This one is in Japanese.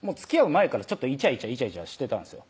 前からイチャイチャイチャイチャしてたんですよ